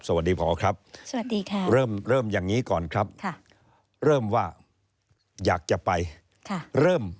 สวัสดีพ่อครับเริ่มอย่างนี้ก่อนครับเริ่มว่าอยากจะไป